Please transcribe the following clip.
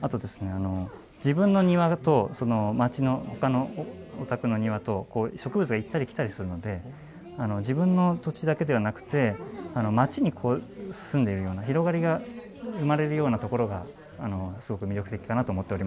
あと自分の庭と、ほかのお宅の庭と植物が行ったり来たりするので自分の土地だけではなくて街に住んでいるような広がりが生まれるようなところがすごく魅力的だと思ってます。